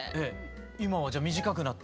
今はじゃあ短くなった？